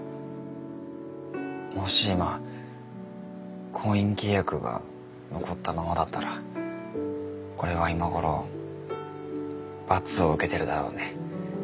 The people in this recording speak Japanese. もし今婚姻契約が残ったままだったら俺は今頃罰を受けてるだろうね。